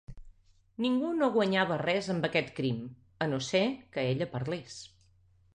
Ningú no guanyava res amb aquest crim, a no ser que ella parlés.